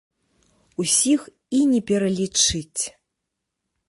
Усіх і не пералічыць.